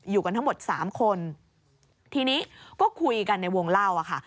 อยู่กันทั้งหมดสามคนทีนี้ก็คุยกันในวงเล่าอ่ะค่ะ